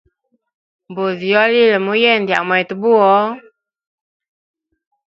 Mbuzi yo lila muyende ya mwetu buwo.